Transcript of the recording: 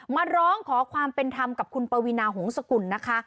มาร้องขอความเป็นธรรมกับคุณปวีนาหงษกุลนะคะ